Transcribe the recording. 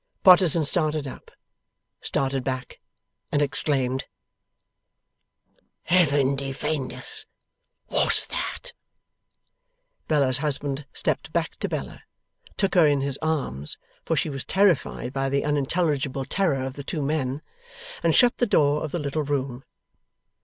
Potterson started up, started back, and exclaimed: 'Heaven defend us, what's that!' Bella's husband stepped back to Bella, took her in his arms (for she was terrified by the unintelligible terror of the two men), and shut the door of the little room.